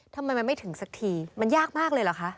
ทำไมมันไม่ถึงสักทีมันยากมากเลยเหรอคะ